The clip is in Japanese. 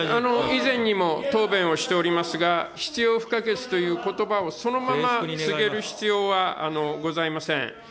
以前にも答弁しておりますが、必要不可欠ということばをそのまま告げる必要はございません。